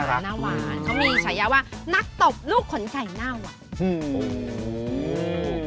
เขามีฉายะว่านักตบลูกขนไก่น่าหวาน